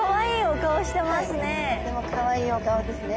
とってもかわいいお顔ですね。